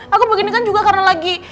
aku begini kan juga karena lagi